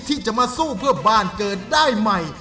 ที่จะมาสู้เพื่อบ้านเกิดได้ใหม่